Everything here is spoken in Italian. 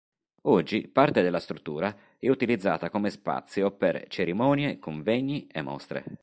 Oggi parte della struttura è utilizzata come spazio per cerimonie, convegni e mostre.